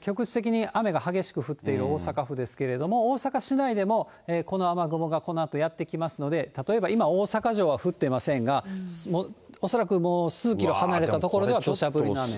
局地的に雨が激しく降っている大阪府ですけれども、大阪市内でも、この雨雲がこのあとやって来ますので、例えば今、大阪城は降ってませんが、恐らくもう、数キロ離れた所ではどしゃ降りの雨が。